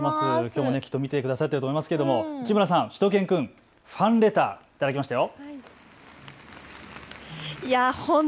きょうもきっと見てくださっていると思いますが、市村さん、しゅと犬くん、ファンレター頂きましたよ。